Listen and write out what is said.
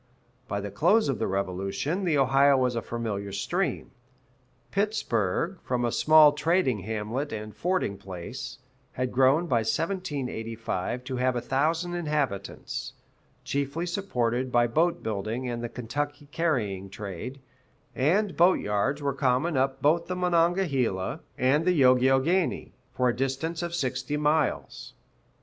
By the close of the Revolution, the Ohio was a familiar stream. Pittsburg, from a small trading hamlet and fording place, had grown by 1785 to have a thousand inhabitants, chiefly supported by boat building and the Kentucky carrying trade; and boat yards were common up both the Monongahela and the Youghiogheny, for a distance of sixty miles.